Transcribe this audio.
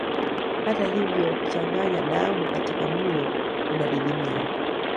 Hata hivyo kuchanganya damu katika mlo unadidimia